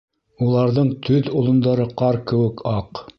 Уларҙың төҙ олондары ҡар кеүек аҡ.